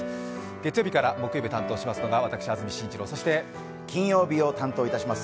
月曜日から木曜日を担当いたしますのは、私、安住紳一郎金曜日を担当いたします